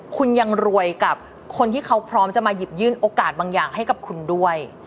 คุณยังรวยกับคนที่เขาพร้อมจะมาหยิบยื่นโอกาสบางอย่างให้กับคุณด้วย